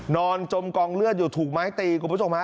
จมกองเลือดอยู่ถูกไม้ตีคุณผู้ชมฮะ